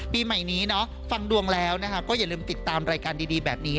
ปีใหม่นี้เนาะฟังดวงแล้วก็อย่าลืมติดตามรายการดีแบบนี้